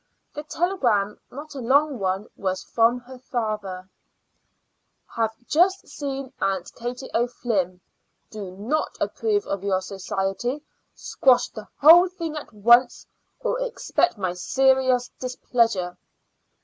The telegram, not a long one, was from her father: "Have just seen Aunt Katie O'Flynn. Do not approve of your society. Squash the whole thing at once, or expect my serious displeasure.